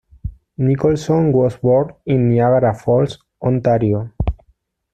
Nicholson was born in Niagara Falls, Ontario.